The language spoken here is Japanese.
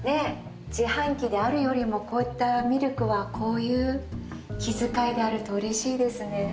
自販機であるよりもこういったミルクはこういう気遣いがあるとうれしいですね。